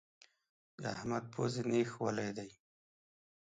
د احمد پزې نېښ ولی دی.